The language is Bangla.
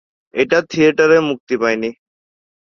এটা থিয়েটারে মুক্তি পায়নি।